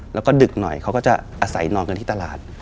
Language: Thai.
แล้วก็ดึกหน่อยเขาก็จะอาศัยนอนกันที่ตลาด